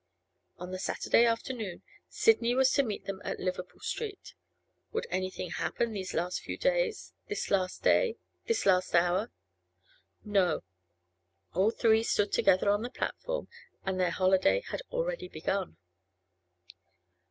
On the Saturday afternoon Sidney was to meet them at Liverpool Street. Would anything happen these last few days—this last day—this last hour? No; all three stood together on the platform, and their holiday had already begun.